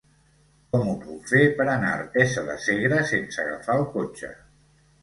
Com ho puc fer per anar a Artesa de Segre sense agafar el cotxe?